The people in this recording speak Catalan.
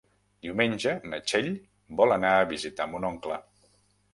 Diumenge na Txell vol anar a visitar mon oncle.